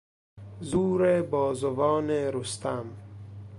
زور بازوان رستم